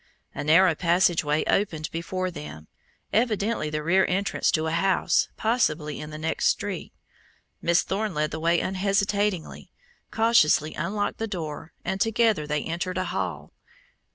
A narrow passageway opened before them evidently the rear entrance to a house possibly in the next street. Miss Thorne led the way unhesitatingly, cautiously unlocked the door, and together they entered a hall.